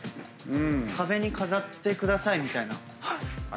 壁に飾ってくださいみたいな。